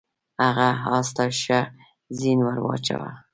هغه اس ته ښه زین ور واچاوه.